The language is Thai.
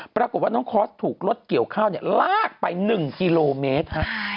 ปรากฏว่าน้องคอร์สถูกรถเกี่ยวข้าวลากไป๑กิโลเมตร